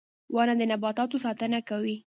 • ونه د نباتاتو ساتنه کوي.